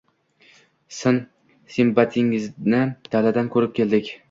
— Sin-simbatingizni daladan ko‘rib keldik.